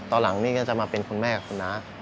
ตอนหลังนี่ก็จะมาเป็นคุณแม่กับคุณน้า